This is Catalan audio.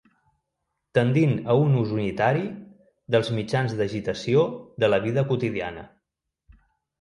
Tendint a un ús unitari dels mitjans d'agitació de la vida quotidiana.